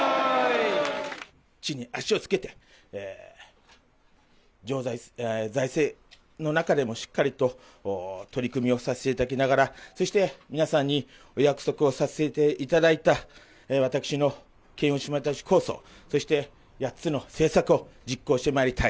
地に足を着けて、財政の中でもしっかりと取り組みをさせていただきながら、そして皆さんにお約束をさせていただいた、私の、そして８つの政策を実行してまいりたい。